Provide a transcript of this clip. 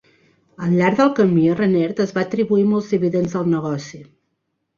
Al llarg del camí, Rennert es va atribuir molts dividends del negoci.